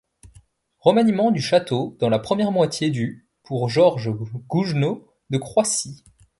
Remaniement du château dans la première moitié du pour Georges Gougenot de Croissy.